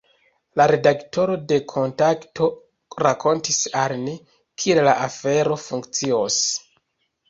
La redaktoro de Kontakto, rakontis al ni, kiel la afero funkcios.